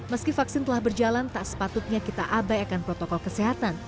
meski vaksin telah berjalan tak sepatutnya kita abaikan protokol kesehatan